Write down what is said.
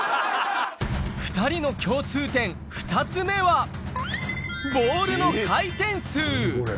２人の共通点、２つ目は、ボールの回転数。